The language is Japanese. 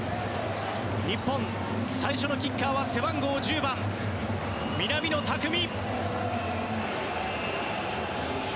日本、最初のキッカーは背番号１０番、南野拓実。